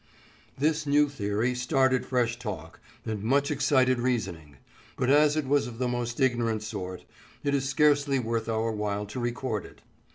This new theory started fresh talk and much excited reasoning, but as it was of the most ignorant sort, it is scarcely worth our while to record it.